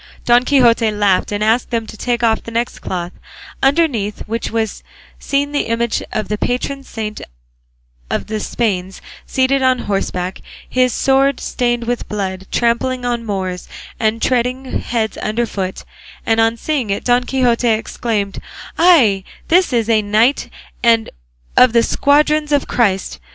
'" Don Quixote laughed, and asked them to take off the next cloth, underneath which was seen the image of the patron saint of the Spains seated on horseback, his sword stained with blood, trampling on Moors and treading heads underfoot; and on seeing it Don Quixote exclaimed, "Ay, this is a knight, and of the squadrons of Christ!